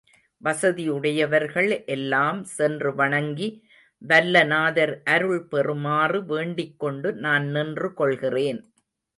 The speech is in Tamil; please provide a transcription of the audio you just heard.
வசதி உடையவர்கள் எல்லாம் சென்று வணங்கி வல்ல நாதர் அருள் பெறுமாறு வேண்டிக்கொண்டு நான் நின்று கொள்கிறேன்.